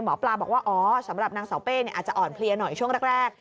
หมอปลาบอกว่าอ๋อสำหรับนางเสาเป้อาจจะอ่อนเพลียหน่อยช่วงแรก